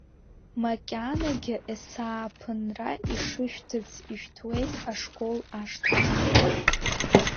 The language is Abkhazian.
Макьанагьы есааԥынра ишышәҭыц ишәҭуеит ашкол ашҭаҿы.